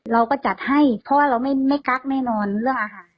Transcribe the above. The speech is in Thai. เราก็จัดให้เพราะว่าเราไม่กักแน่นอนเรื่องอาหาร